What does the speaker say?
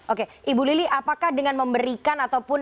oke ibu lili apakah dengan memberikan ataupun